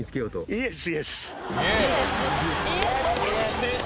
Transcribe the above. イエス！